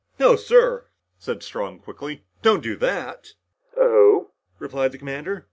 "No, sir!" said Strong quickly. "Don't do that!" "Oh?" replied the commander.